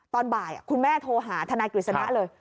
ตอนบ่ายคุณแม่โทรหาทนายกฤษณะเลย